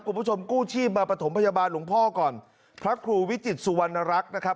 กู้ชีพมาประถมพยาบาลหลวงพ่อก่อนพระครูวิจิตสุวรรณรักษ์นะครับ